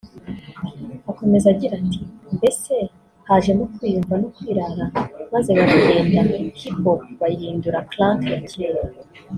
Akomeza agira ati “ Mbese hajemo kwiyumva no kwirara maze baragenda hip hop bayihindura ya crank ya kera